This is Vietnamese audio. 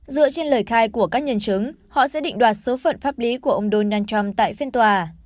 dựa trên lời khai của các nhân chứng họ sẽ định đoạt số phận pháp lý của ông donald trump tại phiên tòa